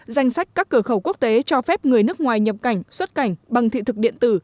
danh sách các cửa khẩu quốc tế cho phép người nước ngoài nhập cảnh xuất cảnh bằng thị thực điện tử